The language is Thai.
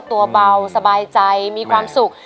ตัวเบาสบายใจมีความสุข